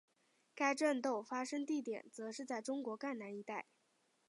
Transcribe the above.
该战斗发生地点则是在中国赣南一带。